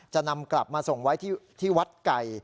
จะนำกลับมาส่งไว้ที่วัดไก่